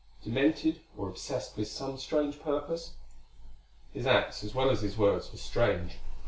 Demented, or obsessed with some strange purpose? His acts as well as his words, were strange.